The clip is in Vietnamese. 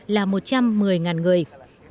là một trăm một mươi người tị nạn